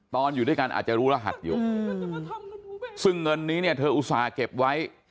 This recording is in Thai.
อยู่ด้วยกันอาจจะรู้รหัสอยู่ซึ่งเงินนี้เนี่ยเธออุตส่าห์เก็บไว้